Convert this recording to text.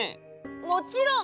もちろん！